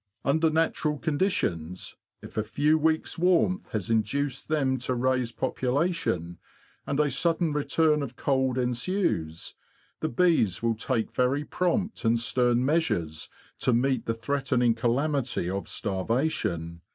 Under natural conditions, if a few weeks' warmth has induced them to raise population, and a sudden return of cold ensues, the bees will take very prompt and stern measures to meet the threatening calamity of starvation.